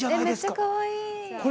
◆めっちゃかわいいー。